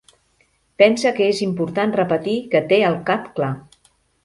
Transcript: Pensa que és important repetir que té el cap clar.